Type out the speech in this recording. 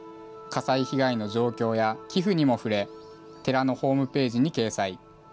火災被害の状況や寄付にも触れ、寺のホームページに掲載。